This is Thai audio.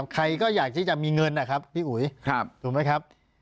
ใครก็อยากที่จะมีเงินนะครับพี่อุ๋ยถูกไหมครับ